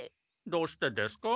どうしてですか？